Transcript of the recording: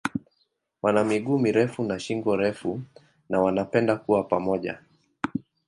Wana miguu mirefu na shingo refu na wanapenda kuwa pamoja.